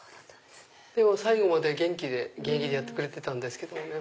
最後まで元気で現役でやってくれてたんですけどね。